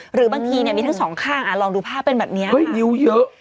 หรือบางทีมีทั้ง๒ข้างลองดูภาพเป็นแบบนี้นิ้วเยอะ